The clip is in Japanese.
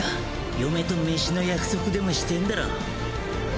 嫁と飯の約束でもしてんだろう。